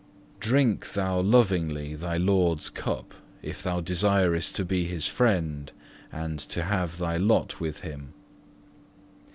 Drink thou lovingly thy Lord's cup if thou desirest to be His friend and to have thy lot with Him.